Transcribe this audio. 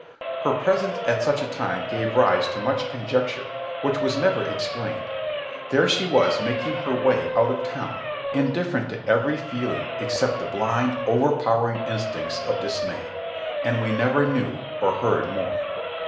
Her presence at such a time gave rise to much conjecture which was never explained : there she was making her way out of town, indifferent to every feeling except the blind, overpowering instincts of dis may ; and we never knew or heard more.